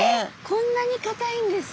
こんなにかたいんです。